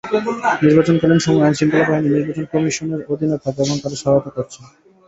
নির্বাচনকালীন সময়ে আইনশৃঙ্খলা বাহিনী নির্বাচন কমিশনের অধীনে থাকে এবং তারা সহায়তা করছেন।